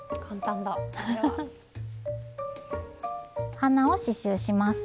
鼻を刺しゅうします。